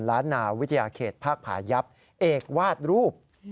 ล้านนาวิทยาเขตภาคผายับเอกวาดรูป